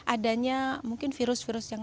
adanya mungkin virus virus yang